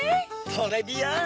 トレビアン！